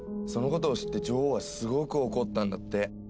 そのことを知って女王はすごく怒ったんだって。